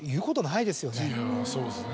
そうですね。